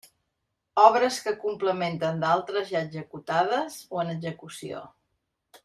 Obres que complementen d'altres ja executades o en execució.